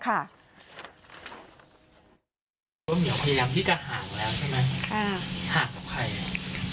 คุณเหมียวพยายามที่จะห่างแล้วใช่ไหม